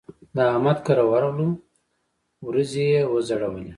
د احمد کره ورغلوو؛ وريځې يې وځړولې.